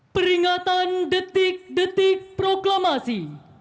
peringatan detik detik proklamasi